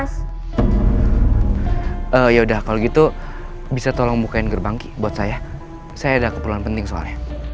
sekali columbang kilir